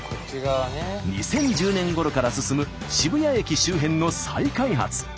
２０１０年ごろから進む渋谷駅周辺の再開発。